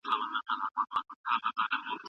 کمپيوټر اپللوډ کوي.